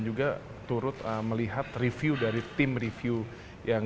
juga turut melihat review dari tim review yang